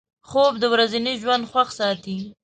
خوب د ورځني ژوند خوښ ساتي